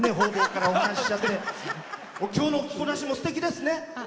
今日の着こなしもすてきですね。